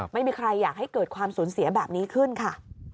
ไม่มีใครอยากให้เกิดความสูญเสียแบบนี้ขึ้นค่ะ